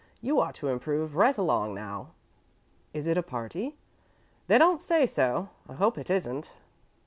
"You ought to improve right along now." "Is it a party?" "They don't say so. I hope it isn't."